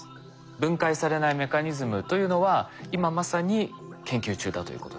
分解されないメカニズムというのは今まさに研究中だということですよね。